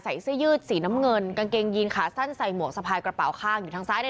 เสื้อยืดสีน้ำเงินกางเกงยีนขาสั้นใส่หมวกสะพายกระเป๋าข้างอยู่ทางซ้ายใน